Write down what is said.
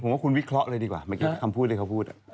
ว่าคุณวิเคราะห์เลยดีกว่าเมื่อกี้คำพูดที่เขาพูด